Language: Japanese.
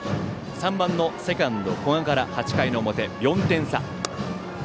３番のセカンド、古賀から８回の表、４点差。